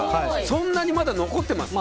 そんなに、まだ残ってます？